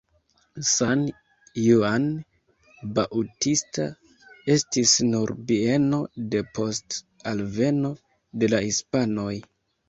San Juan Bautista estis nur bieno depost alveno de la hispanoj.